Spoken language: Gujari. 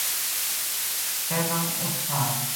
پہلاں اس ٹھار